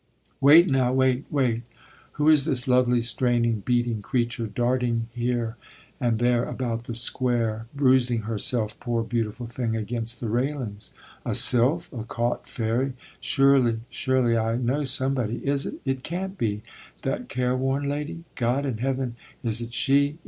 Wait, now, wait, wait who is this lovely, straining, beating creature darting here and there about the square, bruising herself, poor beautiful thing, against the railings? A sylph, a caught fairy? Surely, surely, I know somebody is it? It can't be. That careworn lady? God in Heaven, is it she?